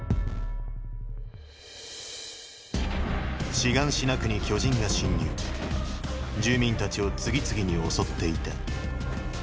シガンシナ区に巨人が侵入住民たちを次々に襲っていた。